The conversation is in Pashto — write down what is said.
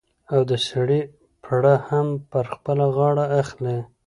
او د سړي پړه هم په خپله غاړه اخلي.